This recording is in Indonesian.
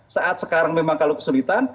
saat sekarang memang kalau kesulitan